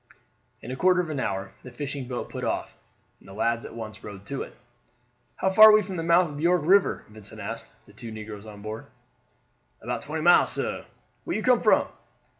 In a quarter of an hour the fishing boat put off, and the lads at once rowed to it. "How far are we from the mouth of the York River?" Vincent asked the two negroes on board. "About twenty miles, sah. Where you come from?"